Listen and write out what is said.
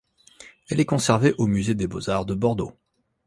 Elle est conservée au musée des beaux-arts de Bordeaux.